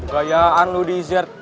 gayaan lu dessert